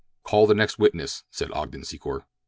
"Call the next witness," said Ogden Secor.